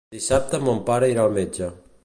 Dissabte mon pare irà al metge.